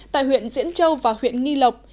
tại huyện diễn châu và huyện nghi lộc